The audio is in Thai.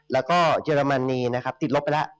แล้วก็เยอรมนีนะครับติดลบไปแล้ว